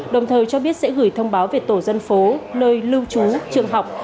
đồng thời cho biết sẽ gửi thông báo về tổ dân phố nơi lưu trú trường học